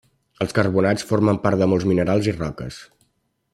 Els carbonats formen part de molts minerals i roques.